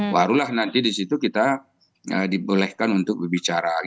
barulah nanti disitu kita dibelehkan untuk berbicara